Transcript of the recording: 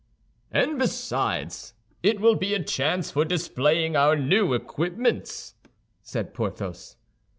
"And besides, it will be a chance for displaying our new equipments," said Porthos.